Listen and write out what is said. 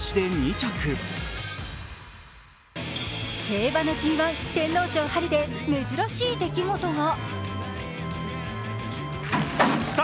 競馬のＧⅠ、天皇賞・春で珍しい出来事が。